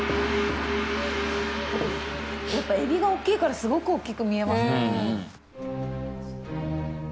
やっぱ海老がおっきいからすごくおっきく見えます。